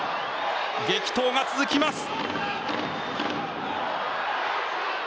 激闘が続きます。